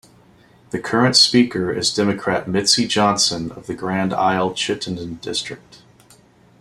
The current Speaker is Democrat Mitzi Johnson of the Grand Isle-Chittenden District.